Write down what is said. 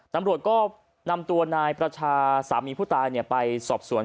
ตำรวจก็นำตัวนายประชาสามีผู้ตายไปสอบสวน